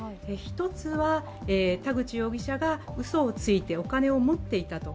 １つは、田口容疑者がうそをついてお金を持っていたと。